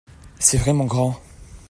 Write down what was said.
C'est vraiment grand.